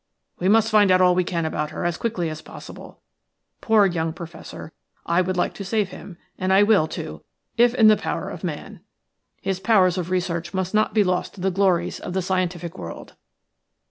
We must find out all we can about her as quickly as possible. Poor young Professor, I should like to save him, and I will, too, if in the power of man. His powers of research must not be lost to the glories of the scientific world."